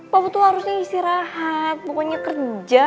bapak tuh harusnya istirahat pokoknya kerja